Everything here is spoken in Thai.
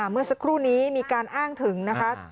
เมื่อสักครู่นี้มีการอ้างถึงนะคะ